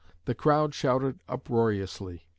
The crowd shouted uproariously.